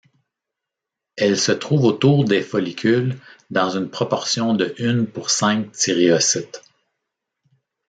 Elles se trouvent autour des follicules dans une proportion de une pour cinq thyréocytes.